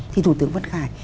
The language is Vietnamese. thì thủ tướng phan văn khải